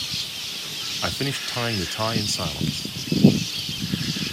I finished tying the tie in silence.